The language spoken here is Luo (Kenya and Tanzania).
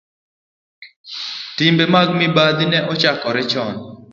Timbe mag mibadhi ne ochakore chon,